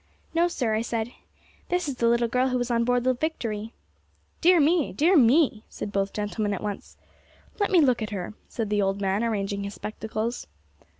'No, sir,' I said; 'this is the little girl who was on board the Victory! 'Dear me! dear me!' said both gentlemen at once. 'Let me look at her,' said the old man, arranging his spectacles.